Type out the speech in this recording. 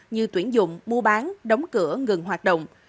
như tuyển dụng mua bán đóng cửa ngừng hoạt động